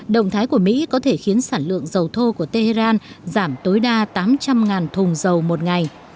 động thái của mỹ có thể khiến sản lượng dầu thô của tehran giảm tối đa tám trăm linh thùng dầu một ngày